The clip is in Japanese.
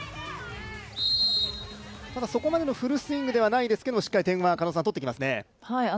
ただそこまでのフルスイングではないですけれども、しっかりと点は取ってきますね。